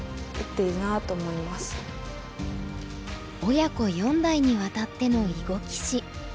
親子四代にわたっての囲碁棋士。